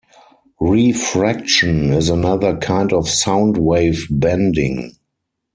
Refraction is another kind of sound wave bending.